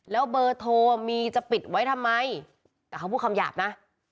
แล้วเบอร์โทรมีจะปิดไว้ทำไมแต่เขาพูดคำหยาบนะ